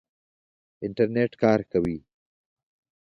انټرنېټ کار کوي؟